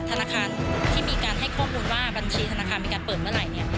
ธนาคารที่มีการให้ข้อมูลว่าบัญชีธนาคารมีการเปิดเมื่อไหร่เนี่ย